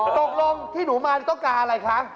ตกลงที่หนูมาต้องการอะไรคะ